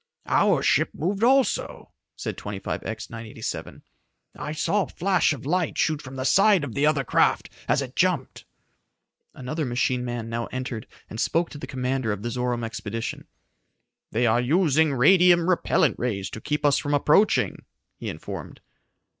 "Our ship moved also," said 25X 987. "I saw a flash of light shoot from the side of the other craft as it jumped." Another machine man now entered and spoke to the commander of the Zorome expedition. "They are using radium repellent rays to keep us from approaching," he informed.